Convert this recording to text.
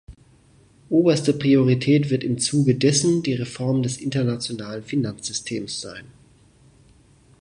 Oberste Priorität wird im Zuge dessen die Reform des internationalen Finanzsystems sein.